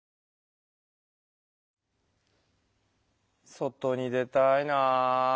外に出たいなあ。